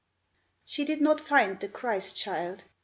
She did not find the Christ child.